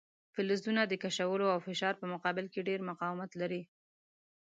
فلزونه د کشولو او فشار په مقابل کې ډیر مقاومت لري.